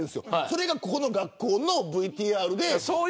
それが、この学校のＶＴＲで。